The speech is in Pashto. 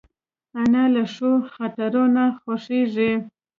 انا له ښو خاطرو نه خوښېږي